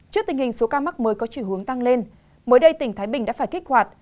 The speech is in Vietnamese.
trước tình hình số ca mắc mới có chiều hướng tăng lên mới đây tỉnh thái bình đã phải kích hoạt